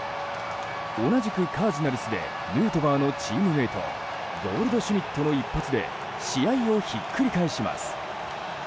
同じくカージナルスでヌートバーのチームメートゴールドシュミットの一発で試合をひっくり返します。